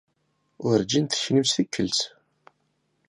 Urǧin teknimt tikkelt.